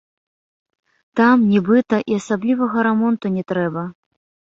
Там, нібыта, і асаблівага рамонту не трэба.